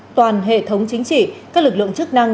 toàn hệ thống chính trị các lực lượng chức năng